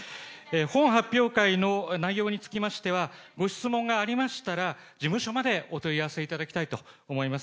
本発表会の内容につきましては、ご質問がありましたら、事務所までお問い合わせいただきたいと思います。